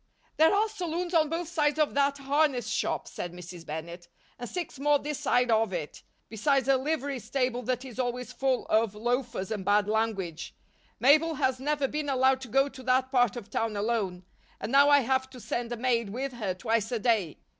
"There are saloons on both sides of that harness shop," said Mrs. Bennett, "and six more this side of it, besides a livery stable that is always full of loafers and bad language. Mabel has never been allowed to go to that part of town alone, and now I have to send a maid with her twice a day.